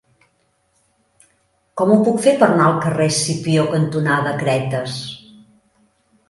Com ho puc fer per anar al carrer Escipió cantonada Cretes?